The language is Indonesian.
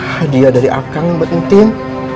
hadiah dari akang buat entin